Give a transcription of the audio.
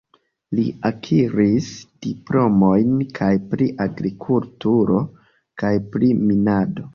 Li akiris diplomojn kaj pri agrikulturo kaj pri minado.